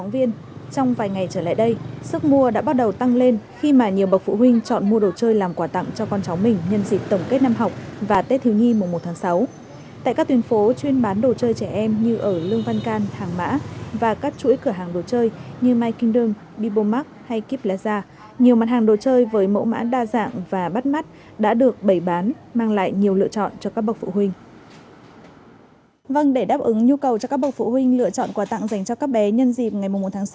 vâng để đáp ứng nhu cầu cho các bậc phụ huynh lựa chọn quà tặng dành cho các bé nhân dịp ngày một một sáu